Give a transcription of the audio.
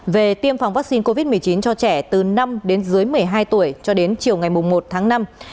về tiêm phòng vaccine covid một mươi chín cho trẻ từ năm đến dưới một mươi hai tuổi cho đến chiều ngày một tháng năm